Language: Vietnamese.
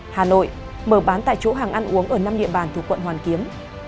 hà nội mở bán tại chỗ hàng ăn uống ở năm địa bàn thuộc quận hoàn kiếm